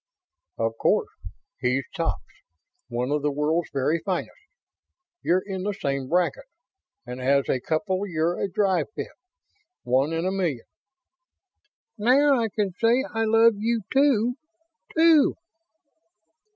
"Of course. He's tops. One of the world's very finest. You're in the same bracket, and as a couple you're a drive fit. One in a million." "Now I can say 'I love you, too', too."